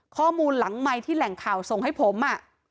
ข้อมูลหลังไมค์ที่แหล่งข่าวส่งให้ผม